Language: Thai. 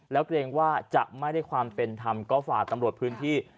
แล้วเกรงว่าจะไม่ได้ความเป็นธรรมก็ฝากตำรวจพื้นที่